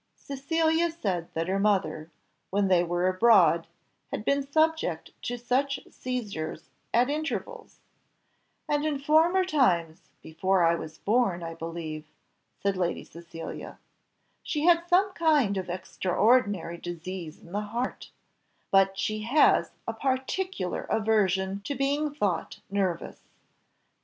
Cecilia said that her mother, when they were abroad, had been subject to such seizures at intervals, "and in former times, before I was born, I believe," said Lady Cecilia, "she had some kind of extraordinary disease in the heart; but she has a particular aversion to being thought nervous.